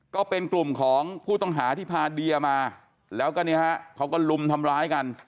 ก็เป็นกลุ่มของผู้ต้องหาที่พาเดียมาแล้วก็เนี่ยฮะเขาก็ลุมทำร้ายกัน